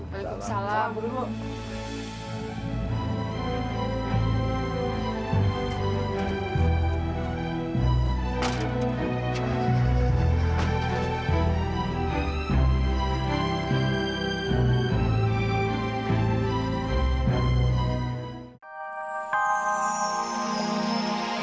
tunggu lagi kita nunggu